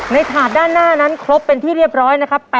ถาดด้านหน้านั้นครบเป็นที่เรียบร้อยนะครับ